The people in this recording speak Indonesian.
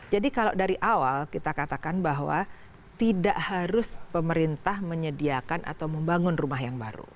jadi kalau dari awal kita katakan bahwa tidak harus pemerintah menyediakan atau membangun rumah yang baru